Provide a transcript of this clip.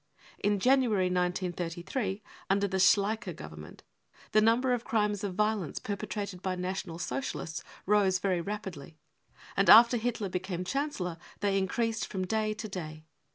In January, * 1933, under the Schleicher Government, the number of crimes of violence perpetrated by National Socialists rose very rapidly, and after Hitler became Chancellor they > increased from day to day.